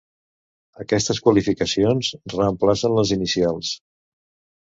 Aquestes qualificacions reemplacen les inicials.